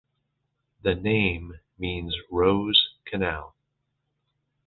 The name means "Rose canal".